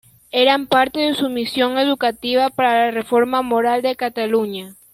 Eran parte de su misión educativa para la reforma moral de Cataluña.